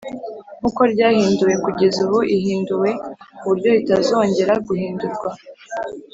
nk uko ryahinduwe kugeza ubu ihinduwe ku buryo ritazongera guhindurwa